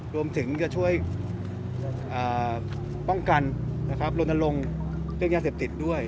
รวมถึงจะช่วยป้องกันลนลงเรื่องยาเสพติดด้วย